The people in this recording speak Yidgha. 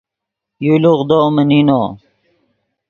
یو لوغدو من نینو